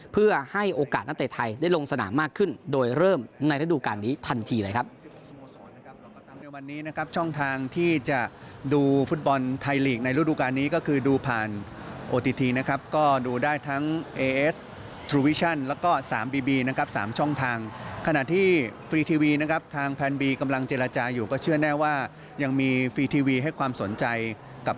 เพื่อให้โอกาสนักเตะไทยได้ลงสนามมากขึ้นโดยเริ่มในระดูการนี้ทันทีเลยครับ